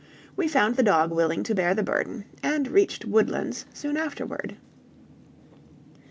We found the dog willing to bear the burden, and reached Woodlands soon afterward.